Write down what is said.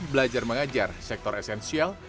belajar mengajar sektor esensial